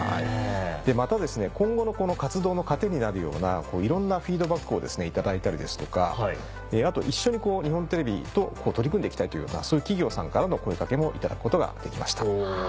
また今後の活動の糧になるようないろんなフィードバックを頂いたりですとかあと一緒に日本テレビと取り組んでいきたいというようなそういう企業さんからの声掛けも頂くことができました。